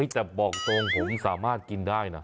แต่บอกตรงผมสามารถกินได้นะ